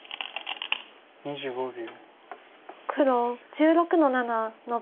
黒１６の七ノビ。